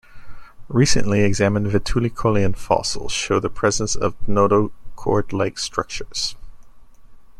Recently examined Vetulicolian fossils show the presence of notochord-like structures.